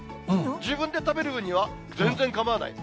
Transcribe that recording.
自分で食べる分には全然かまわない？